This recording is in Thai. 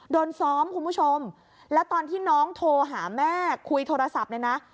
โดนซ้อมคุณผู้ชมแล้วตอนที่น้องโทรหาแม่คุยโทรศัพท์เนี่ยนะ